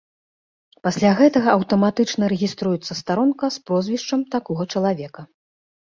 Пасля гэтага аўтаматычна рэгіструецца старонка з прозвішчам такога чалавека.